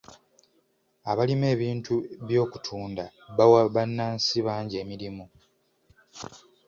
Abalima ebintu by'okutunda bawa bannansi bangi emirimu.